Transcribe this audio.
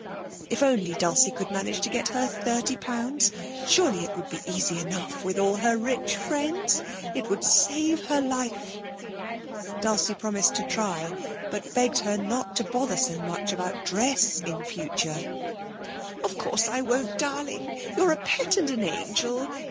If only Dulcie could manage to get her thirty pounds surely it would be easy enough with all her rich friends! it would save her life. Dulcie promised to try, but begged her not to bother so much about dress in future. 'Of course I won't, darling! You're a pet and an angel.